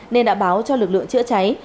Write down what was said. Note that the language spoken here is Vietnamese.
nên đã báo cho lực lượng chữa cháy